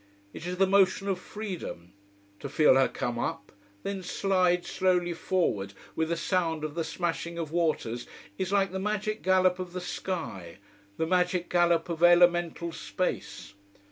It is the motion of freedom. To feel her come up then slide slowly forward, with a sound of the smashing of waters, is like the magic gallop of the sky, the magic gallop of elemental space.